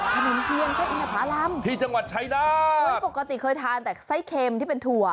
ขนมเทียนไส้อินทภารำที่จังหวัดชายนาฏโอ้ยปกติเคยทานแต่ไส้เค็มที่เป็นถั่ว